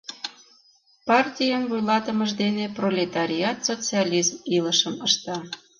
Партийын вуйлатымыж дене пролетариат социализм илышым ышта.